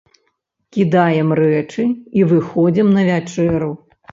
Кідаем рэчы і выходзім на вячэру.